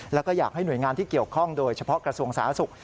แล้วก็อยากให้หน่วยงานที่เกี่ยวข้องโดยเฉพาะกระทรวงสาธารณสุข